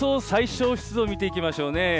最小湿度を見ていきましょうね。